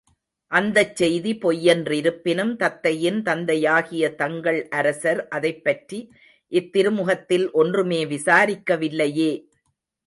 அந்தச் செய்தி பொய் என்றிருப்பினும் தத்தையின் தந்தையாகிய தங்கள் அரசர் அதைப்பற்றி இத்திருமுகத்தில் ஒன்றுமே விசாரிக்கவில்லையே!